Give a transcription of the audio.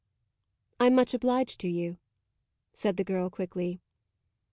"I'm much obliged to you," said the girl quickly.